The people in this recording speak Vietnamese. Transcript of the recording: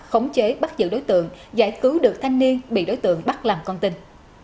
khống chế bắt giữ đối tượng giải cứu được thanh niên bị đối tượng bắt làm con tình